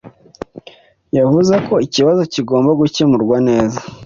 Yavuze ko ikibazo kigomba gukemurwa neza.